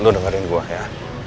lu dengerin gua ya